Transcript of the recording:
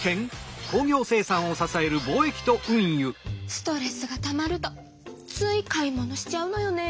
ストレスがたまるとつい買い物しちゃうのよね。